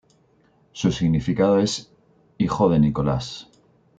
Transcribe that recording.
Su significado es ""hijo de Nicolás"".